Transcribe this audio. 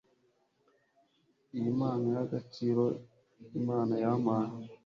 iyi mpano y'agaciro imana yampaye